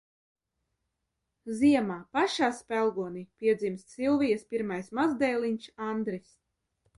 Ziemā, pašā spelgonī piedzimst Silvijas pirmais mazdēliņš Andris.